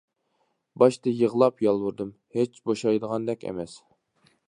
باشتا يىغلاپ يالۋۇردۇم، ھېچ بوشايدىغاندەك ئەمەس.